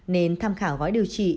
nên tham khảo gói điều trị